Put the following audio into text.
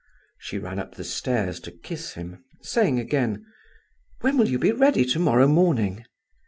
She ran up the stairs to kiss him, saying again: "When will you be ready to morrow morning?"